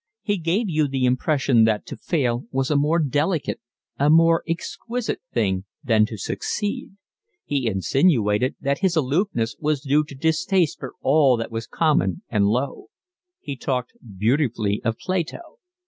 He gave you the impression that to fail was a more delicate, a more exquisite thing, than to succeed. He insinuated that his aloofness was due to distaste for all that was common and low. He talked beautifully of Plato.